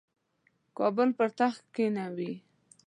کابل پر تخت کښېنوي.